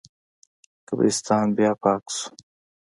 قبرستان بیا پاک شو.